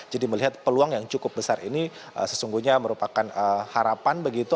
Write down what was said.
jadi melihat peluang yang cukup besar ini sesungguhnya merupakan harapan begitu